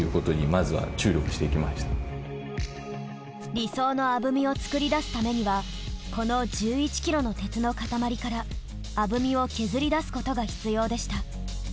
理想のアブミを作り出すためにはこの１１ｋｇの鉄の塊からアブミを削り出すことが必要でした。